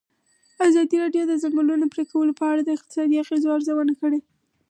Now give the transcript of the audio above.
ازادي راډیو د د ځنګلونو پرېکول په اړه د اقتصادي اغېزو ارزونه کړې.